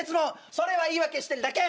それは言い訳してるだけ！